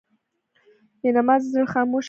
بېنمازه زړه خاموشه تیاره ده.